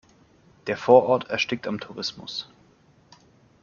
Der Vorort erstickt am Tourismus.